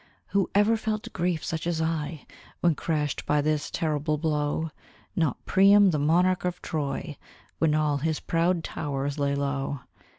Who ever felt grief such as I When crashed by this terrible blow? Not Priam, the monarch of Troy, When all his proud towers lay low.